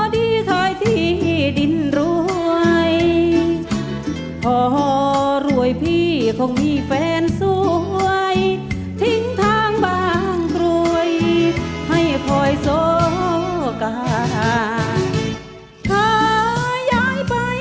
ใช้หรือไม่ใช้ครับ